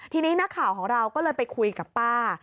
ทีนี้นักข่าวของเราก็เลยไปคุยกับป้า